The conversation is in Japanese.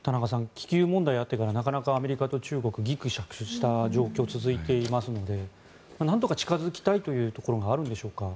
気球問題があってからなかなかアメリカと中国はぎくしゃくした状態が続いていますのでなんとか近付きたいというところがあるんでしょうか。